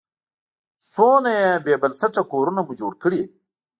څومره بې بنسټه کورونه مو جوړ کړي.